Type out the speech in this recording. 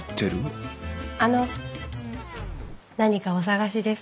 あの何かお探しですか？